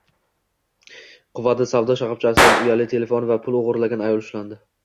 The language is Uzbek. Quvada savdo shoxobchasidan uyali telefon va pul o‘g‘rilagan ayol ushlandi